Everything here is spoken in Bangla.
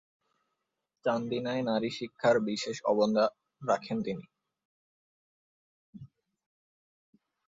চান্দিনায় নারী শিক্ষার বিশেষ অবদান রাখেন তিনি।